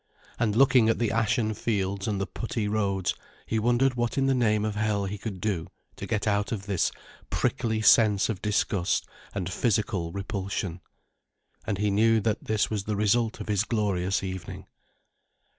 And looking at the ashen fields and the putty roads, he wondered what in the name of Hell he could do to get out of this prickly sense of disgust and physical repulsion. And he knew that this was the result of his glorious evening.